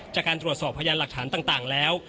จากการตรวจสอบพยานหลักฐานต่างแล้ว